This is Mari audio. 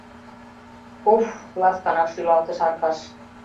— Уф-ф! — ласканак шӱлалтыш Аркаш.